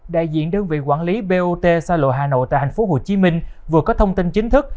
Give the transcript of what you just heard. đại diện đơn vị quản lý bot sa lộ hà nội tại hành phố hồ chí minh vừa có thông tin chính thức